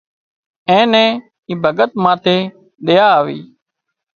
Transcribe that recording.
اين نين اي ڀڳت ماٿي ۮيا آوي